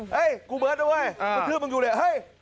เฮ้ยกูเบิร์ดนะเว้ยกระทืบมันอยู่นี่เฮ้ย